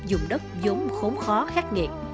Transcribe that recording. dùng đất giống khốn khó khắc nghiệt